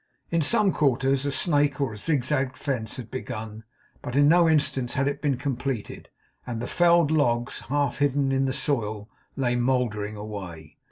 In some quarters, a snake or zigzag fence had been begun, but in no instance had it been completed; and the felled logs, half hidden in the soil, lay mouldering away.